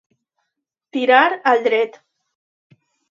Tirar al dret.